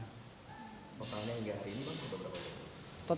totalnya hingga hari ini berapa